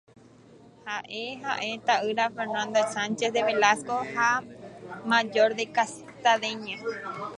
Fue hijo de Fernán Sánchez de Velasco y de Mayor de Castañeda.